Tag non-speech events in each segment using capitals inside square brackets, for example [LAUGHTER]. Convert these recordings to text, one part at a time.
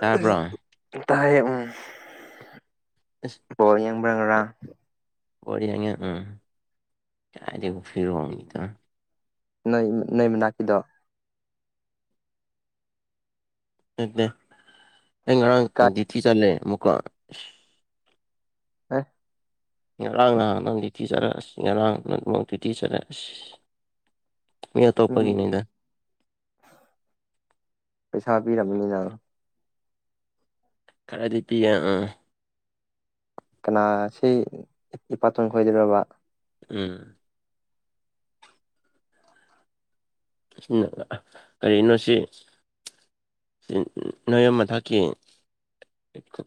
ꯇꯥꯕ꯭ꯔꯣ ꯑ ꯇꯥꯏꯌꯦ ꯎꯝ ꯑꯁ ꯕꯣꯜ ꯌꯦꯡꯕ꯭ꯔꯥꯒ꯭ꯔꯥ ꯔꯤ ꯌꯥꯉꯦ ꯑ ꯀꯥꯗ ꯐꯤꯔꯣ ꯑꯅꯤ ꯇ ꯅꯣꯏ ꯅꯣꯏ ꯃꯅꯥ ꯀꯗꯣ ꯗꯦ ꯑꯩ ꯀꯥꯏ ꯉꯔꯥꯡꯗꯤ ꯊꯤ ꯆꯜꯂꯦ ꯑꯃꯨꯛꯀ ꯑꯁ ꯑ ꯉꯔꯥꯡ ꯅꯍꯥꯛ ꯅꯪꯗꯤ ꯊꯤꯖꯔꯦ ꯑꯁ ꯉꯔꯥꯡ ꯅꯃꯛꯇꯤ ꯊꯤꯖꯔꯦ ꯑꯁ ꯃꯤ ꯎꯝ ꯑꯇꯣꯞꯄꯒꯤꯅꯤꯗ ꯄꯩꯁꯥ ꯄꯤꯔꯝꯅꯤꯅ ꯈꯔꯗꯤ ꯄꯤꯌꯦ ꯑꯥ ꯀꯅꯥ ꯁꯤ ꯏꯄꯥꯇꯣꯟ ꯈꯣꯏꯗꯔꯕ ꯎꯝ ꯀꯔꯤꯅꯣ ꯁꯤ ꯅꯣꯢ ꯃꯊꯛꯀꯤ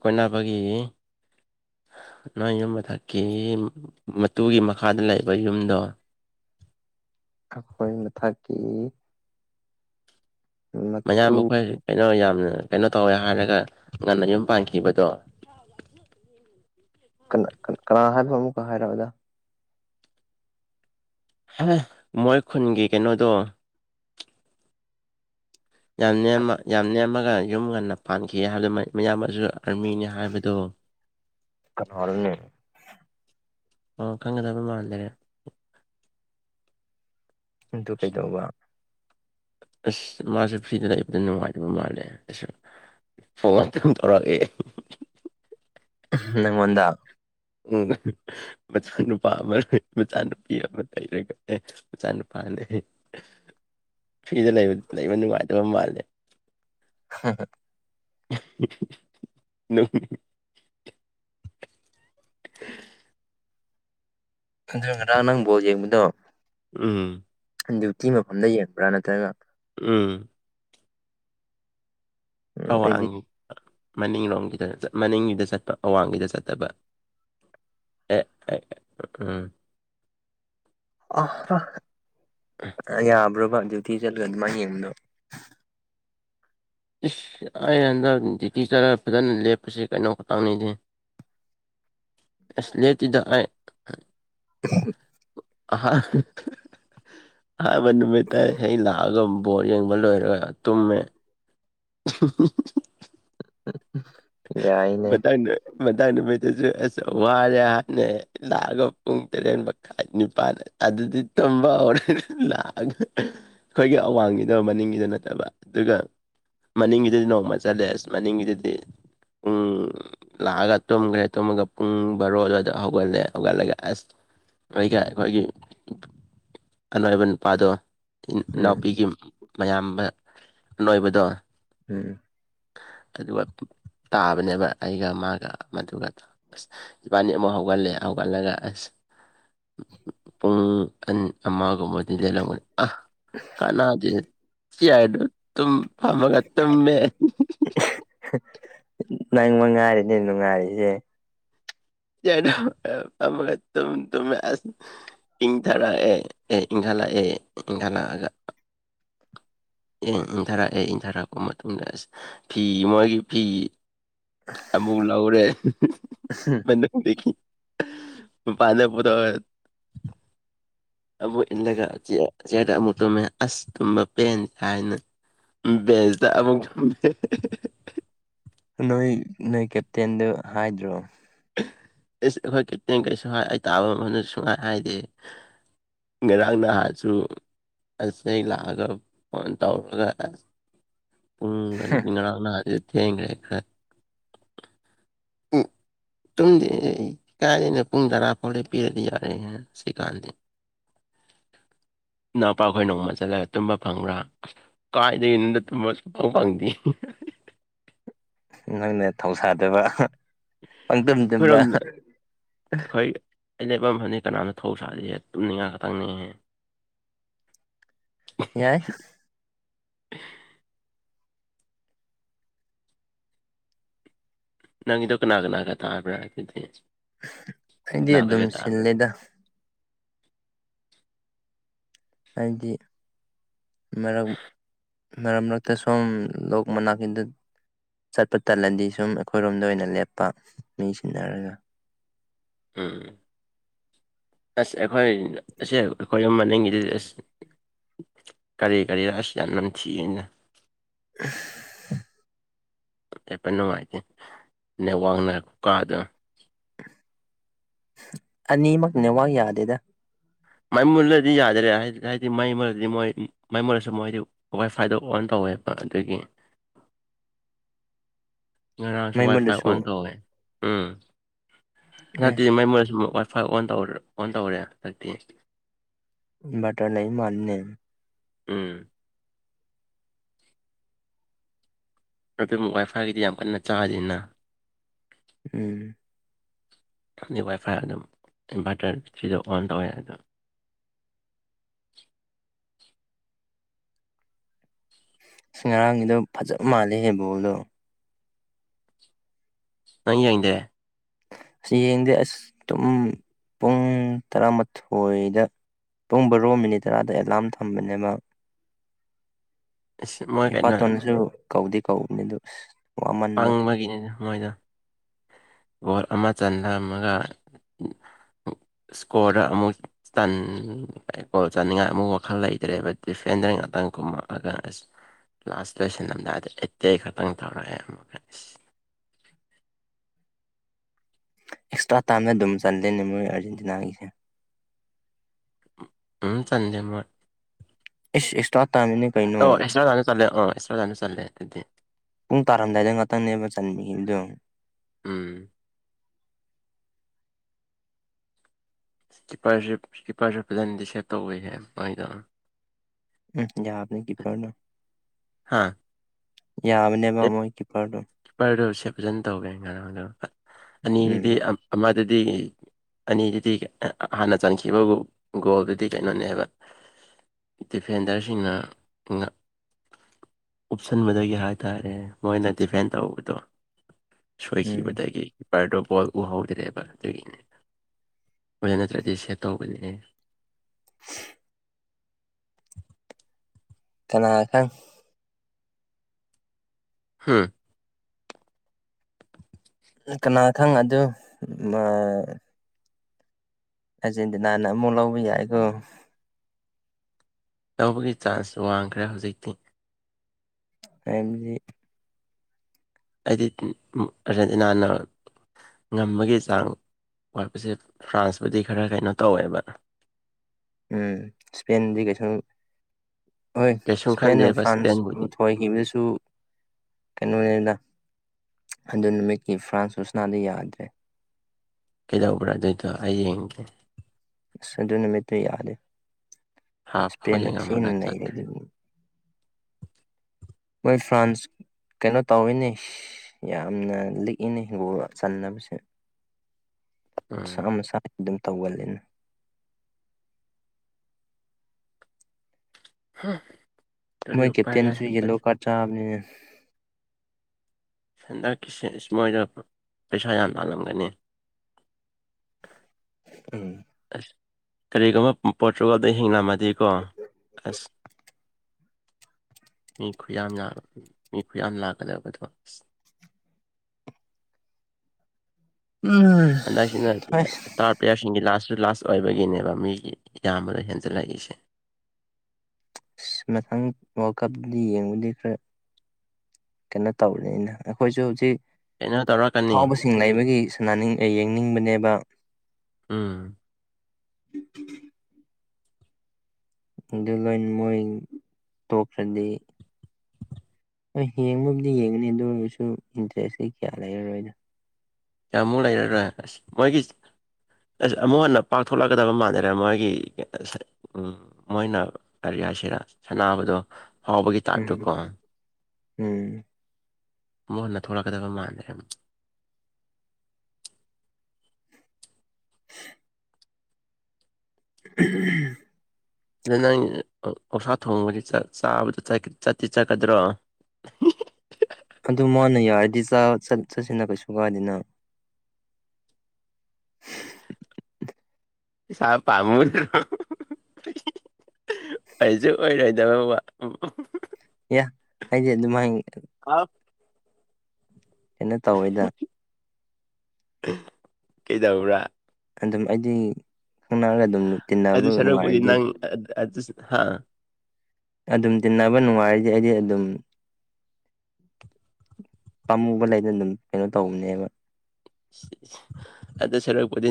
ꯀꯣꯏꯅꯥꯕꯒꯤ ꯅꯣꯏ ꯌꯨꯝ ꯃꯊꯛꯀꯤ ꯃꯇꯨꯒꯤ ꯃꯈꯥꯗ ꯂꯩꯕ ꯌꯨꯝꯗꯣ ꯑꯩꯈꯣꯏ ꯃꯊꯥꯛꯀꯤ ꯃꯌꯥꯝꯕꯨ ꯃꯇꯨ ꯑꯩꯈꯣꯏ ꯀꯩꯅꯣ ꯌꯥꯝꯅ ꯀꯩꯅꯣ ꯇꯧꯋꯦ ꯍꯥꯏꯔꯒ ꯉꯟꯅ ꯌꯨꯝ ꯄꯥꯟꯈꯤꯕꯗꯣ ꯀꯅꯥ ꯍꯥꯏꯅꯣ ꯑꯃꯨꯛꯀ ꯍꯥꯏꯔꯛꯑꯣꯗ ꯃꯣꯏ ꯈꯨꯟꯒꯤ ꯀꯩꯅꯣꯗꯣ ꯌꯥꯝꯅ ꯌꯥꯝ ꯅꯦꯝ ꯑꯃꯒ ꯌꯨꯝ ꯉꯟꯅ ꯄꯥꯟꯈꯤ ꯍꯥꯏꯕꯗꯨ ꯃꯌꯥꯝꯁꯨ ꯑꯥꯔꯃꯤꯅꯤ ꯍꯥꯏꯕꯗꯨ ꯀꯅꯅꯣꯅꯦ ꯑꯣ ꯈꯪꯒꯗꯕ ꯃꯜꯗ꯭ꯔꯦ ꯑꯗꯨ ꯀꯩꯗꯧꯕ ꯑꯁ ꯃꯥꯁꯨ ꯐ꯭ꯔꯤꯗ ꯂꯩꯕꯗ ꯅꯨꯡꯉꯥꯏꯇꯕ ꯃꯥꯜꯂꯦ ꯑꯁ ꯐꯣꯟ ꯑꯗꯨꯝ ꯇꯧꯔꯛꯑꯦ ꯅꯪꯉꯣꯟꯗ ꯎ ꯃꯆꯥꯅꯨꯄꯥ ꯑꯃ ꯃꯆꯥꯅꯨꯄꯤ ꯑꯃ ꯂꯩꯔꯒꯅꯦ ꯃꯆꯥꯅꯨꯄꯥ ꯅꯦꯍꯦ ꯐ꯭ꯤꯗ ꯂꯩ ꯂꯩꯕ ꯅꯨꯡꯉꯥꯏꯇꯕ ꯃꯥꯜꯂꯦ ꯍꯥ ꯍꯥ ꯅꯨꯡ [INAUDIBLE] ꯑꯗꯨ ꯉꯔꯥꯡ ꯅꯪ ꯕꯣꯜ ꯌꯦꯡꯕꯗꯣ ꯎꯝ ꯗ꯭ꯌꯨꯇꯤ ꯃꯐꯝꯗ ꯌꯦꯡꯕ꯭ꯔꯥ ꯅꯠꯇ꯭ꯔꯒ ꯎꯝ ꯎꯝ ꯑꯩꯗꯤ ꯑꯋꯥꯡꯒꯤ ꯃꯅꯤꯡꯂꯣꯝꯒꯤꯗ ꯃꯅꯤꯡꯒꯤꯗ ꯆꯠꯄ ꯑꯋꯥꯡꯒꯤꯗ ꯆꯠꯇꯕ ꯑꯦ ꯎꯝ ꯑ ꯌꯥꯕ꯭ꯔꯣꯕ ꯗ꯭ꯤꯌꯨꯇꯤ ꯆꯠꯂꯒ ꯑꯗꯨꯃꯥꯢ ꯌꯦꯡꯕꯗꯣ ꯏꯁ ꯑꯩ ꯍꯟꯗꯛ ꯗꯤꯇꯤ ꯆꯠꯂ ꯐꯖꯅ ꯂꯦꯞꯄꯁꯤ ꯀꯩꯅꯣ ꯈꯇꯪꯅꯤꯍꯦ ꯑꯁ ꯂꯩꯇꯦꯗ ꯑꯩ ꯑꯍꯥꯟ ꯑꯍꯥꯥꯟꯕ ꯅꯨꯃꯤꯠꯇ ꯑꯩ ꯂꯥꯛꯑꯒꯥ ꯕꯣꯔꯠ ꯌꯦꯡꯕ ꯂꯣꯏꯔꯒ ꯇꯨꯝꯃꯦ [UNINTELLIGIBLE] [INAUDIBLE] [UNINTELLIGIBLE] ꯌꯥꯏꯅꯦ ꯃꯇꯥꯡ ꯅꯨꯃꯤꯠꯇꯁꯨ ꯑꯁ ꯋꯥꯔꯦ ꯍꯥꯟꯅ ꯂꯥꯛꯑꯒ ꯄꯨꯡ ꯇꯔꯦꯠꯃ [UNINTELLIGIBLE] ꯑꯩꯈꯣꯏꯒꯤ ꯑꯋꯥꯡꯒꯤꯗ ꯃꯅꯤꯡꯒꯤꯗ ꯅꯛꯅꯕ ꯑꯗꯨꯒ ꯃꯅꯤꯡꯒꯤꯗꯨꯗꯤ ꯅꯣꯡꯃ ꯆꯠꯂꯦ ꯑꯁ ꯃꯅꯤꯡꯒꯤꯗꯨꯗꯤ ꯄꯨꯡ [UNINTELLIGIBLE] ꯂꯥꯛꯑꯒ ꯇꯨꯝꯈ꯭ꯔꯦ ꯇꯨꯝꯃꯒ ꯄꯨꯡ ꯕꯥꯔꯣ ꯑꯗꯨꯋꯥꯗ ꯍꯧꯒꯠꯂꯦ ꯍꯧꯒꯠꯂꯒ ꯑꯁ ꯑꯩꯒ ꯑꯩꯈꯣꯏꯒꯤ ꯑꯅꯣꯏꯕ ꯅꯨꯄꯥꯗꯣ ꯎꯝ ꯏꯅꯥꯎꯄꯤꯒꯤ ꯃꯌꯥꯝꯕ ꯑꯅꯣꯏꯕꯗꯣ ꯎꯝ ꯑꯗꯨꯒ ꯇꯥꯕꯅꯦꯕ ꯑꯩꯒ ꯃꯥꯒ ꯑꯃꯗꯨꯒ ꯢꯕꯥꯟꯅꯤ ꯑꯃꯨꯛ ꯍꯧꯒꯠꯂꯦ ꯍꯧꯒꯥꯟꯂꯒ ꯄꯨꯡ ꯑꯃꯒꯨꯝꯕꯗꯤ ꯂꯩꯔꯝꯒꯅꯤ ꯑꯥ ꯀꯅꯥꯗꯤ ꯁꯤ ꯍꯥꯏꯗꯣ ꯇꯨꯝ ꯐꯝꯃꯒ ꯇꯨꯝꯃꯦ ꯅꯪ ꯃ ꯉꯥꯏꯔꯤꯅꯦ ꯅꯨꯡꯉꯥꯏꯔꯤꯁꯦ [UNINTELLIGIBLE] ꯏꯪꯊꯔꯑ ꯑꯦ ꯏꯪꯘꯂ ꯑꯦ ꯏꯪꯘꯂꯒ ꯑꯦ ꯏꯪꯊꯔꯛꯑꯦ ꯏꯪꯊꯔꯛꯄ ꯃꯇꯨꯡꯗ ꯑꯁ ꯐꯤ ꯃꯣꯏꯒꯤ ꯐꯤ ꯑꯃꯨ ꯂꯧꯔꯦ [UNINTELLIGIBLE] [UNINTELLIGIBLE] ꯑꯃꯨꯕꯨꯛ ꯏꯜꯂꯒ ꯆꯦꯗ ꯑꯃꯨꯛ ꯇꯨꯝꯃꯦ ꯑꯁ ꯇꯨꯝꯕ ꯄꯦꯟ ꯍꯥꯏꯅ [UNINTELLIGIBLE] ꯅꯣꯏ ꯅꯣꯏ ꯀꯦꯞꯇꯦꯟꯗꯨ ꯍꯥꯏꯗ꯭ꯔꯣ ꯑꯩꯈꯣꯏ ꯀꯤꯠꯅꯦ ꯀꯩꯁꯨ ꯍꯥꯏ ꯑꯩ ꯇꯥꯕ ꯃꯗ ꯁꯨꯡꯉꯥꯏ ꯍꯥꯏꯗꯤ ꯉꯔꯥꯡ ꯅꯍꯥꯁꯨ ꯑꯁ ꯑꯩ ꯂꯥꯛꯑꯒ ꯐꯣꯟ ꯇꯧꯔꯒ ꯄꯨꯡꯗꯤꯗꯤꯉꯅ [UNINTELLIGIBLE] ꯊꯦꯪꯈꯔ꯭ꯦ ꯈꯔꯗꯤ ꯇꯨꯡꯗꯤ ꯀꯥꯏꯗꯅ ꯄꯨꯡ ꯇꯔꯥ ꯐꯥꯎꯗꯤ ꯄꯤꯔꯗꯤ ꯌꯥꯔꯦ ꯁꯤꯀꯥꯟꯗꯤ [INAUDIBLE] ꯏꯅꯥꯎꯄꯥ ꯑꯩꯈꯣꯏ ꯅꯣꯡꯃ ꯆꯠꯂꯒ ꯇꯨꯝꯕ ꯐꯪꯕ꯭ꯔꯥ ꯀꯥꯏꯗꯒꯤꯅꯗ ꯇꯨꯝꯕꯁꯨꯐꯥꯎ ꯐꯪꯗꯦ ꯅꯣꯏꯅ ꯊꯧꯁꯥꯗꯕ ꯄꯪꯗꯝꯝ ꯇꯝꯕ ꯑꯩꯈꯣꯏꯔꯣꯝ ꯑꯩꯈꯣꯏ ꯂꯩꯦꯞꯐꯝ ꯃꯐꯝꯅꯤ ꯀꯅꯥꯅ ꯊꯧ ꯁꯥꯔꯤꯍꯦ ꯇꯨꯝꯅꯤꯡꯉꯥꯏ ꯈꯛꯇꯪꯅꯦꯍꯦ ꯌꯥꯏ ꯅꯪꯒꯤꯗꯣ ꯀꯅꯥ ꯀꯅꯒꯥ ꯇꯥꯕꯔꯥ [UNINTELLIGIBLE] ꯑꯩꯗꯤ ꯑꯗꯨꯝ ꯁꯤꯜꯂꯦꯗ ꯍꯥꯏꯗꯤ ꯃꯔꯛ ꯃꯔꯛ ꯃꯔꯛꯇ ꯁꯨꯝ ꯂꯣꯛ ꯃꯅꯥꯛꯀꯤꯗ ꯆꯠꯄ ꯇꯜꯂꯗꯤ ꯁꯨꯝ ꯑꯩꯈꯣꯏꯔꯣꯝꯗ ꯑꯣꯏꯅ ꯂꯦꯞꯄ ꯃꯤ ꯁꯤꯟꯅꯔꯒ ꯎꯝ ꯑꯁ ꯑꯩꯈꯣꯏ ꯑꯁ ꯑꯩꯈꯣꯏ ꯑꯃꯨꯝ ꯃꯅꯤꯡꯒꯤꯗꯨꯗꯤ ꯑꯁ ꯀꯔꯤ ꯀꯔꯤ ꯑꯥꯁ ꯌꯥꯝ ꯅꯝꯊꯤ ꯑꯩꯅ [INAUDIBLE] ꯍꯥꯏꯐꯠ ꯅꯨꯡꯉꯥꯏꯇꯦ ꯅꯦ ꯋꯥꯛꯅ ꯀꯀꯥꯗ ꯑꯅꯤꯃꯛ ꯅꯦꯋꯥꯛ ꯌꯥꯗꯦꯗ ꯃꯥꯏ ꯃꯨꯜꯂꯗꯤ ꯌꯥꯗ꯭ꯔꯦ ꯍꯥꯏꯗꯤ ꯃꯥꯏ ꯃꯨꯔꯗꯤ ꯃꯣꯏ ꯃꯥꯏ ꯃꯨꯔꯁꯨ ꯃꯣꯏꯗꯤ ꯋꯥꯏꯐꯥꯏꯗꯣ ꯑꯣꯟ ꯇꯧꯋꯦꯕ ꯑꯗꯨꯒꯤ ꯉꯔꯥꯡꯁꯨ ꯋꯥꯏ ꯐꯥꯏ ꯃꯩꯃꯜꯗꯁꯨ ꯑꯣꯟ ꯇꯧꯋꯦ ꯎꯝ ꯑꯦ ꯅꯠꯇꯦ ꯃꯩ ꯃꯨꯔꯁꯨ ꯋꯥꯏ ꯐꯥꯏꯚ ꯑꯣꯟ ꯇꯧꯔ ꯑꯣꯟ ꯇꯧꯔꯦ ꯑꯥꯇꯤ ꯏꯟꯕꯥꯏꯇꯔ ꯂꯩ ꯃꯥꯥꯟꯅꯦ ꯎꯝ ꯑꯗꯨꯝ ꯋꯥꯏꯐꯥꯏꯒꯤꯗꯤ ꯌꯥꯝ ꯀꯟꯅ ꯆꯥꯗꯦꯅ ꯎꯝ ꯑꯃꯗꯤ ꯋꯥꯏꯐꯥꯏ ꯑꯗꯨꯝ ꯏꯟꯚꯔꯇꯔ ꯁꯤꯗ ꯑꯣꯟ ꯇꯧꯋꯦ ꯑꯗꯣ ꯑ ꯉꯔꯥꯡꯒꯤꯗꯣ ꯐꯖꯕ ꯃꯥꯜꯂꯦ ꯍꯦ ꯕꯣꯜꯗꯣ ꯅꯪ ꯌꯦꯡꯗꯦ ꯑꯁꯤ ꯌꯦꯡꯗꯦ ꯑꯁ ꯇꯨꯝ ꯄꯨꯡ ꯇꯔꯥꯃꯥꯊꯣꯏꯗ ꯄꯨꯡ ꯃꯤꯅꯤꯠ ꯇꯔꯥꯗ ꯑꯦꯂꯥꯔꯝ ꯊꯝꯕꯅꯦꯕ ꯑꯁ ꯃꯣꯏ ꯀꯩꯅꯣ ꯏꯄꯥꯇꯣꯟꯁꯨ ꯀꯧꯗꯦ ꯀꯧꯕꯅꯤ ꯑꯗꯨ ꯋꯥꯃꯟꯕ ꯄꯪꯕꯒꯤꯅꯤ ꯃꯣꯏꯗ ꯑꯣꯔ ꯑꯃ ꯆꯟꯅꯔꯝꯃꯒ ꯏꯁꯀꯣꯔꯗ ꯑꯃꯨꯛ ꯏꯁꯇꯟ ꯒꯣꯜ ꯆꯥꯅꯤꯡꯉꯥꯏ ꯑꯃꯨꯛ ꯋꯥꯈꯜ ꯂꯩꯇ꯭ꯔꯦꯕ ꯗꯤꯐꯦꯟꯗꯔ ꯉꯥꯛꯇꯪ ꯀꯨꯝꯃꯛꯑꯒ ꯑꯁ ꯂꯥꯁ ꯂꯣꯏꯁꯟ ꯑꯝꯗꯥꯏꯗ ꯑꯩꯠꯇꯦ ꯈꯛꯇꯪ ꯇꯧꯔꯛꯑꯦ ꯃꯣꯢ ꯑꯁ ꯑꯦꯛꯁꯇ꯭ꯔꯥ ꯇꯥꯏꯝꯅ ꯑꯗꯨꯝ ꯆꯜꯂꯦꯅꯦ ꯃꯣꯏ ꯑꯥꯖꯦꯟꯇꯤꯅꯥꯒꯤꯁꯦ ꯎꯝ ꯆꯟꯗꯦ ꯃꯣꯏ ꯏꯁ ꯑꯦꯛꯁꯇ꯭ꯔꯥ ꯇꯥꯢꯝꯅꯤꯅꯦ ꯑꯣ ꯑꯦꯁ꯭ꯔꯥꯒꯗ ꯆꯠꯂꯦ ꯑꯣ ꯑꯦꯁ꯭ꯔꯥꯒꯗ ꯆꯂꯦ ꯑꯩꯗꯤ ꯄꯨꯡ ꯇꯥꯔꯥꯝꯗꯥꯏꯗ ꯉꯥꯛꯇꯪꯅꯦꯕ ꯆꯥꯟꯕꯤꯈꯤꯕꯗꯣ ꯎꯝ ꯀꯤꯞꯄꯔꯁꯤꯞ ꯀꯤꯞꯄꯔꯁꯤꯞ ꯐꯖꯅꯗꯤ ꯁꯦꯞ ꯇꯧꯋꯤꯍꯦ ꯃꯥꯏꯗꯣ ꯎꯝ ꯌꯥꯕꯅꯤ ꯀꯤꯄ꯭ꯔꯗꯣ ꯍꯥꯥ ꯌꯥꯕꯅꯦꯕ ꯃꯣꯢ ꯀꯤꯄ꯭ꯔꯗꯣ ꯀꯤꯄꯔꯗꫭ ꯁꯦ ꯐꯖꯅ ꯇꯧꯋꯦ ꯉꯔꯥꯡ ꯑꯗ ꯎꯝ ꯑꯅꯤꯗꯨꯗꯤ ꯑꯃꯗꯨꯗꯤ ꯑꯅꯤꯗꯨꯗꯤ ꯍꯥꯟꯅ ꯆꯟꯈꯤꯕ ꯒꯣꯜꯗꯨꯗꯤ ꯀꯩꯅꯣꯅꯦꯕ ꯗꯤꯐꯦꯟꯗꯔꯁꯤꯡꯅ ꯎꯞꯁꯟꯕꯗꯒꯤ ꯍꯥꯏꯇꯥꯔꯦ ꯃꯣꯏꯅ ꯗꯤꯐꯦꯟ ꯇꯧꯕꯗꯣ ꯎꯝ ꯁꯣꯏꯈꯤꯕꯗꯒꯤ ꯀꯤꯄꯔꯗꯨꯣ ꯕꯣꯜ ꯎꯍꯧꯗ꯭ꯔꯦꯕ ꯑꯗꯨꯒꯤꯅꯦ ꯑꯗꯨꯗ ꯅꯠꯇ꯭ꯔꯗꯤ ꯁꯦꯠ ꯇꯧꯕꯅꯦ ꯀꯅꯥ ꯈꯪ ꯍꯥꯝ ꯀꯅꯥ ꯈꯪ ꯑꯗꯨ ꯑꯥꯔꯖꯦꯟꯇꯤꯅꯥꯅ ꯑꯃꯨꯛ ꯂꯧꯕ ꯌꯥꯏꯀꯣ ꯇꯧꯕꯒꯤ ꯆꯥꯟꯁꯁꯨ ꯋꯥꯡꯈ꯭ꯔꯦ ꯍꯧꯖꯤꯛꯇꯤ ꯑꯦꯟꯗꯤ ꯑꯩꯗꯤ ꯑꯥꯔꯖꯦꯟꯇꯤꯅꯥꯅ ꯉꯝꯕꯒꯤ ꯆꯥꯡ ꯋꯥꯠꯄꯁꯦ ꯐ꯭ꯔꯥꯟꯁꯄꯨꯗꯤ ꯈꯔ ꯀꯩꯅꯣ ꯇꯧꯋꯦꯕ ꯎꯝ ꯏꯁꯄꯦꯟꯗꯤ ꯀꯩꯁꯨ ꯍꯣꯏ ꯀꯩꯁꯨꯝ ꯏꯁꯄꯦꯟꯅ ꯈꯟꯗꯦꯕ ꯐ꯭ꯔꯥꯟꯁ ꯏꯁꯄꯦꯟꯕꯨꯗꯤ ꯍꯣꯏ ꯍꯅꯁꯨ ꯀꯩꯅꯣꯅꯤꯗ ꯑꯗꯨ ꯅꯨꯃꯤꯠꯀꯤ ꯐ꯭ꯔꯥꯟꯁ ꯔꯨꯁꯅꯥꯗꯨ ꯌꯥꯗ꯭ꯔꯦ ꯀꯩꯗꯧꯕ꯭ꯔ ꯑꯗꯨꯏꯗꯣ ꯑꯩ ꯌꯦꯡꯒꯦ ꯑꯁ ꯑꯗꯨ ꯅꯨꯃꯤꯠꯇꯨ ꯌꯥꯔꯦ ꯍꯥꯞ ꯐꯥꯎ ꯏꯁꯄꯦꯟꯅ ꯊꯤꯅ ꯌꯦꯡꯉꯝꯃꯒ ꯅꯩꯔꯦ ꯆꯠꯈ꯭ꯔꯦ ꯑꯗꯨ ꯃꯣꯏ ꯐ꯭ꯔꯥꯟꯁ ꯀꯩꯅꯣ ꯇꯧꯔꯤꯅꯦ ꯌꯥꯝꯅ ꯂꯤꯛꯏꯅꯦ ꯍꯤꯡꯒꯣꯜ ꯆꯟꯅꯕꯁꯦ ꯎꯝ ꯁꯥꯥꯅꯁꯥ ꯑꯗꯨꯝ ꯇꯧꯒꯜꯂꯤꯅ ꯍꯥꯥ ꯃꯣꯏ ꯀꯦꯞꯇꯦꯟꯁꯨ ꯌꯦꯜꯂꯣ ꯀꯥꯔꯠ ꯆꯥꯕꯅꯤꯅꯦ ꯍꯟꯗꯛꯀꯤ ꯏꯁ ꯃꯗ ꯄꯩꯁꯥ ꯌꯥꯝ ꯂꯥꯜꯂꯝꯒꯅꯤ ꯎꯝ ꯑꯁ ꯀꯔꯤꯒꯨꯝꯕ ꯄꯣꯠꯇ꯭ꯔꯨꯒ ꯑꯗꯨ ꯍꯤꯡꯅꯝꯃꯦ ꯗꯀꯣ ꯑꯁ ꯃꯤ ꯈꯨꯌꯥꯝ ꯂ ꯃꯤ ꯈꯨꯌꯥꯝ ꯂꯥꯛꯀꯗꯕꯗꯣ ꯑꯁ ꯎꯝ ꯍꯟꯗꯁꯤ ꯑꯁ ꯇꯥꯔ ꯄ꯭ꯂꯦꯌꯥꯔꯁꯤꯡꯒꯤ ꯂꯥꯁꯁꯨ ꯂꯥꯁ ꯑꯣꯏꯕꯒꯤꯅꯦꯕ ꯃꯤꯒꯤ ꯏꯌꯥꯝꯕꯗ ꯍꯦꯟꯖꯜꯂꯛꯏꯁꯦ ꯑ ꯃꯊꯪ ꯋꯥꯔꯜ ꯀꯞꯇꯗꯤ ꯌꯦꯡꯕꯗꯤ ꯈꯔ ꯀꯩꯅꯣ ꯇꯧꯔꯤꯅꯤꯅ ꯑꯩꯈꯣꯏꯁꯨ ꯍꯧꯖꯤꯛ ꯀꯩꯅꯣ ꯇꯧꯔꯛꯀꯅꯤ ꯏꯁꯤꯡ ꯂꯩꯕꯒꯤ ꯁꯅꯥꯅꯤꯡ ꯌꯦꯡꯅꯤꯡꯕꯅꯦꯕ ꯎꯝ UNINTELLIGIBLE ꯑꯗꯨ ꯂꯣꯏ ꯃꯣꯏ ꯇꯣꯞ꯭ꯔꯗꯤ ꯍꯣꯏ ꯌꯦꯡꯕꯕꯨꯗꯤ ꯌꯦꯡꯒꯅꯤ ꯑꯗꯨ ꯑꯣꯏꯔꯒꯁꯨ ꯏꯟꯇꯔꯦꯁꯇꯤ ꯀꯌꯥ ꯂꯩꯔꯔꯣꯏꯅꯣ ꯀꯃꯨꯛ ꯂꯩꯔꯔꯣꯏ ꯑꯁ ꯃꯣꯏꯒꯤ ꯑꯁ ꯑꯃꯨꯛ ꯍꯟꯅ ꯄꯥꯛꯊꯣꯛꯂꯛꯀꯗꯕ ꯃꯥꯟꯅꯔꯦ ꯃꯣꯏꯒꯤ ꯎ ꯃꯣꯏꯅ ꯑꯔꯤꯌꯥꯁꯤꯗ ꯁꯥꯟꯅꯕꯗꯣ ꯍꯥꯎꯕꯒꯤ ꯎꯝ ꯇꯥꯏꯞꯇꯣꯀꯣ ꯎꯝ ꯑꯃꯨꯛ ꯍꯟꯅ ꯊꯣꯛꯂꯛꯀꯗꯕ ꯃꯥꯟꯗ꯭ꯔꯦ ꯎ ꯑꯗ ꯅꯪ ꯑꯣꯁꯥ ꯊꯣꯡꯕꯒꯤ ꯆꯥꯕꯗ ꯆꯠꯇꯤ ꯆꯠꯀꯗ꯭ꯔꯣ ꯑꯗꯨ ꯃꯥꯅ ꯌꯥꯔꯗꯤ ꯆ ꯆꯠ ꯆꯠꯁꯤꯅ ꯀꯩꯁꯨ ꯀꯥꯏꯗꯅ ꯁꯥ ꯄꯥꯃ ꯑꯩꯁꯨ ꯑꯣꯏꯔꯣꯏꯗꯕ ꯌꯥ ꯍꯥꯏꯗꯤ ꯑꯗꯨꯝ ꯍꯥꯏꯒꯦ ꯑꯥꯎ ꯀꯦꯩꯅꯣ ꯇꯧꯋꯣꯏꯗ ꯀꯩꯗꯧꯕ꯭ꯔꯥ ꯑꯗꯨꯝ ꯑꯩꯗꯤ ꯈꯪꯅꯔꯒ ꯑꯗꯨꯝ ꯇꯤꯟꯅꯕ ꯑꯗꯨ ꯁꯔꯨꯛꯄꯨꯗꯤ ꯅꯨꯡꯉꯥꯏꯔꯗꯤ ꯅꯪ ꯍꯥ ꯑꯗꯨꯝ ꯇꯤꯟꯅꯕ ꯅꯨꯡꯉꯥꯏꯔꯤꯗꯤ ꯑꯩꯗꯤ ꯑꯗꯨꯝ ꯄꯥꯝꯃꯨꯕ ꯂꯩꯅ ꯑꯗꯨꯝ ꯀꯩꯅꯣ ꯇꯧꯕꯅꯦꯕ ꯑꯗꯨꯗ ꯁꯔꯛꯄꯗꯤ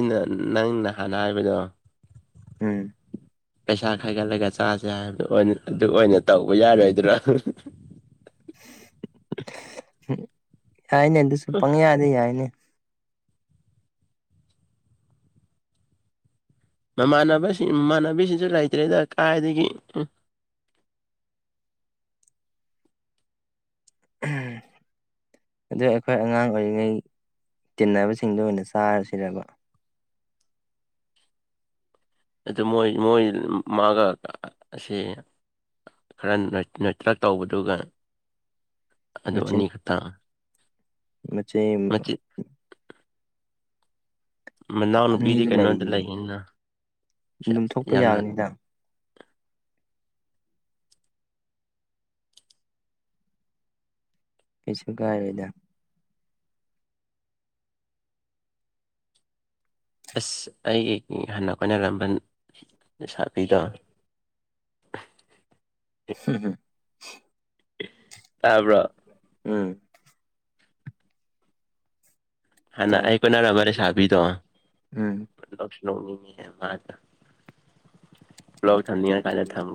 ꯅꯪꯅ ꯍꯥꯟꯅ ꯍꯥꯏꯕꯗꯣ ꯎꯝ ꯄꯩꯁꯥ ꯈꯥꯏꯒꯠꯂꯒ ꯆꯥꯁꯦ ꯍꯥꯏꯕꯗ ꯑꯗꯨ ꯑꯣꯏꯅ ꯇꯧꯕ ꯌꯥꯔꯣꯏꯗꯅ ꯌꯥꯏꯅꯦ ꯑꯗꯨꯁꯨ ꯄꯪ ꯌꯥꯗꯦ ꯌꯥꯏꯅꯦ ꯃꯃꯥꯟꯅꯕꯁꯤꯡ ꯃꯃꯥꯟꯅꯕꯤꯁꯤꯡꯁꯨ ꯂꯩꯇ꯭ꯔꯦꯗ ꯀꯥꯏꯗꯒꯤ ꯎꯝ ꯑꯗꯨꯗ ꯑꯩꯈꯣꯏ ꯑꯉꯥꯡ ꯑꯣꯏꯔꯤꯉꯩ ꯇꯤꯟꯅꯕꯁꯤꯡꯗꯣ ꯑꯣꯏꯅ ꯆꯥꯔꯁꯤꯔꯕ ꯑꯗꯨ ꯃꯣꯏ ꯃꯣꯏ ꯃꯥꯒ ꯑꯁꯤꯦ ꯈꯔ ꯅꯠꯇ꯭ꯔ ꯇꯧꯕꯗꯨꯒ ꯑꯗꯨ ꯃꯆꯤꯟ ꯑꯅꯤꯈꯛꯇ ꯃꯆꯩ ꯃꯆꯤ ꯃꯅꯥꯎ ꯅꯨꯄꯤꯗꯤ ꯑꯅꯤꯗꯨ ꯀꯩꯅꯣꯗ ꯂꯩꯔꯤꯗꯨꯗꯤ ꯂꯩꯒꯅꯤꯅ ꯑꯗꯨꯝ ꯊꯣꯛꯄ ꯌꯥꯝꯅ ꯌꯥꯒꯅꯤꯗ ꯀꯩꯁꯨ ꯀꯥꯏꯔꯦꯗ ꯑꯁ ꯑꯩꯒꯤ ꯍꯥꯟꯅ ꯑꯩꯈꯣꯏꯅꯔꯝꯕꯟ ꯁꯥꯕꯤꯗꯣ ꯁꯤ ꯍꯦ ꯇꯥꯕ꯭ꯔꯣ ꯎꯝ ꯍꯅ ꯇꯥꯏ ꯑꯀꯣꯏꯅꯔ ꯑꯔ ꯁꯥꯥꯕꯤꯗ ꯎꯝ ꯂꯂꯣ ꯊꯝꯗꯤ ꯀꯂ ꯊꯒ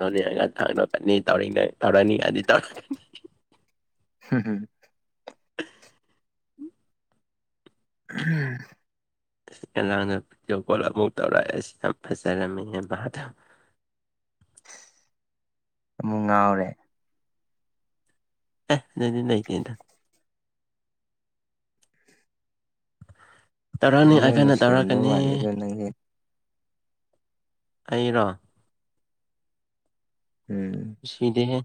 ꯇꯧꯅꯤꯒ ꯊꯥꯡꯅꯕꯀꯅꯤ ꯇꯧ ꯇꯧꯔꯅꯤꯒꯗꯤ ꯇꯧꯔꯛꯅꯤ ꯍꯝ ꯍꯝ ꯎꯝ ꯎꯝ ꯑꯉꯥꯡꯗ ꯚꯤꯗꯤꯑꯣ ꯀꯣꯜ ꯑꯃꯨꯛ ꯇꯧꯔꯛꯑꯦ ꯑꯁꯤ ꯌꯥꯝ ꯐꯖꯔꯝꯃꯤꯅꯦꯗ ꯑꯃꯨꯛ ꯉꯥꯎꯔꯦ ꯑꯦ ꯅꯪꯅꯦꯏꯇꯦ ꯅ ꯇꯧꯔꯛꯅꯤꯡꯉ ꯃꯣꯏ ꯀꯥꯟꯗ ꯅꯨꯡꯁꯤ ꯌꯥꯝꯗꯧ ꯇꯧꯔꯛꯀꯅꯤ ꯋꯥꯅꯤꯦ ꯀꯩꯅꯣ ꯅꯪꯁꯦ ꯑꯩꯅ ꯎꯝ ꯇꯁꯤꯗꯦ